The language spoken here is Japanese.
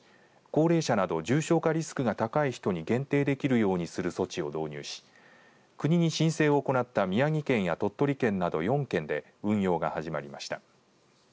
高齢者など重症化リスクが高い人に限定できるようにする措置を導入し国に申請を行った宮城県や鳥取県など４県で運用が始まりました。